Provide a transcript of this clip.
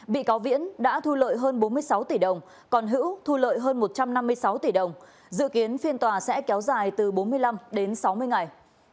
bị cáo viễn đã thu lợi hơn bốn mươi sáu tỷ đồng còn hữu thu lợi hơn một trăm năm mươi sáu tỷ đồng dự kiến phiên tòa sẽ kéo dài từ bốn mươi năm đến sáu mươi ngày